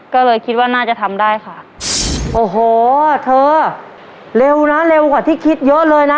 ก็เลยคิดว่าน่าจะทำได้ค่ะโอ้โหเธอเร็วนะเร็วกว่าที่คิดเยอะเลยนะ